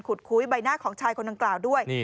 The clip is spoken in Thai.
คุ้ยใบหน้าของชายคนดังกล่าวด้วย